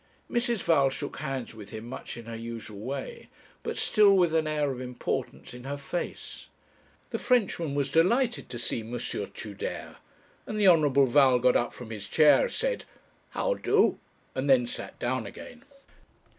Mrs. Val shook hands with him much in her usual way, but still with an air of importance in her face; the Frenchman was delighted to see M. Tudere, and the Honourable Val got up from his chair, said 'How do?' and then sat down again.